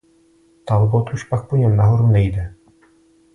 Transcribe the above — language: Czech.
Talbot už pak po něm nahoru nejde.